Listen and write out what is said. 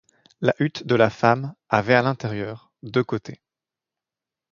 La hutte de la femme avait à l'intérieur deux côtés.